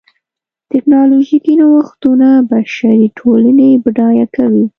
ټکنالوژیکي نوښتونه بشري ټولنې بډایه کوي.